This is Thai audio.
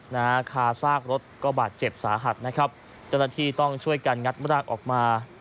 นาคาซากรถก็บาดเจ็บสาหัสนะครับจรฐีต้องช่วยการงัดรากออกมา